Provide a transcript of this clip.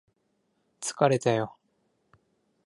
疲れたよ